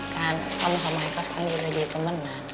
kan kamu sama haikal sekarang udah jadi temenan